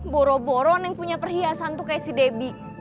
boro boro neng punya perhiasan tuh kayak si debbie